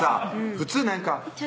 普通なんか